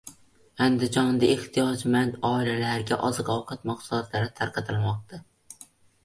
Andijonda ehtiyojmand oilalarga oziq-ovqat mahsulotlari tarqatilmoqda